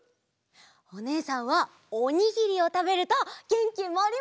おねえさんはおにぎりをたべるとげんきもりもりになるよ！